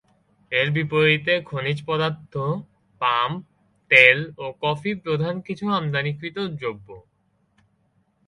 এর বিপরীতে খনিজ পদার্থ, পাম তেল ও কফি প্রধান কিছু আমদানিকৃত দ্রব্য।